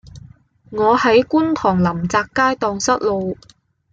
我喺觀塘臨澤街盪失路